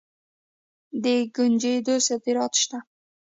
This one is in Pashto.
د کنجدو صادرات شته.